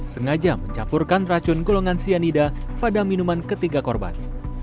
sengaja mencampurkan racun golongan cyanida pada minuman ketiga korban